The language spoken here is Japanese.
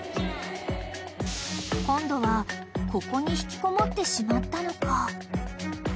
［今度はここに引きこもってしまったのか］